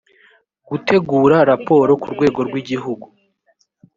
gutegura raporo ku rwego rw igihugu